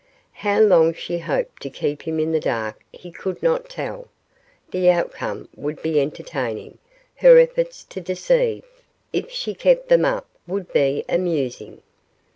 How long she hoped to keep him in the dark he could not tell. The outcome would be entertaining; her efforts to deceive. If she kept them up, would be amusing.